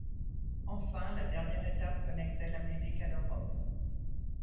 Enfin, la dernière étape connectait l’Amérique à l’Europe.